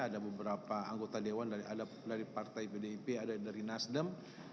ada beberapa anggota dewan dari partai pdip ada dari nasdem